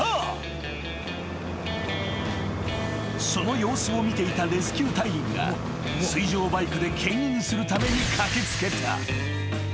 ［その様子を見ていたレスキュー隊員が水上バイクでけん引するために駆け付けた］